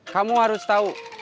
kamu harus tahu